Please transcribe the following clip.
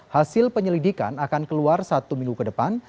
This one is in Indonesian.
hasil penyelidikan akan keluar satu minggu ke depan